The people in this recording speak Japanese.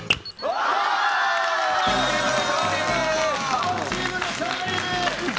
青チームの勝利！